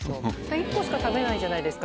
１個しか食べないじゃないですか、